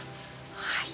はい。